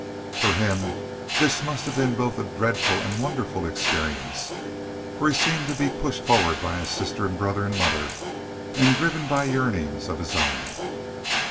For him this must have been both a dreadful and a wonderful experience, for he seemed to be pushed forward by his sister and brother and mother, and driven by yearnings of his own.